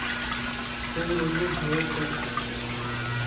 تو رڳو ھائوڪَر